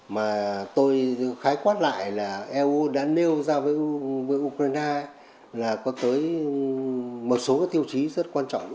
mà tôi khái quát lại là eu đã nêu ra với ukraine là có tới một số tiêu chí rất quan trọng